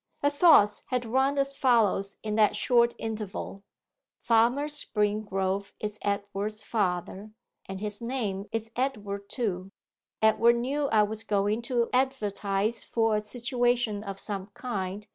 Her thoughts had run as follows in that short interval: 'Farmer Springrove is Edward's father, and his name is Edward too. 'Edward knew I was going to advertise for a situation of some kind.